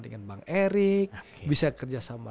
dengan bang erick bisa kerjasama